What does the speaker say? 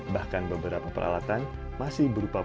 bahkan beberapa peralatan masih berupa pura rupa